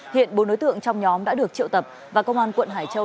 hiện bốn đối tượng trong nhóm đã được triệu tập và công an quận hải châu